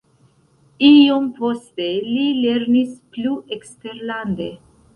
Iom poste li lernis plu eksterlande.